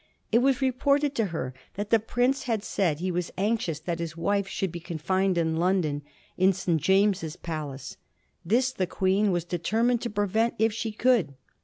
It was reported to her that the prince had said he was anxious that his wife should be confined in London — in St. James's Palace. This the Queen was determined to prevent if she could.